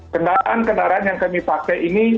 kendaraan kendaraan yang kami pakai ini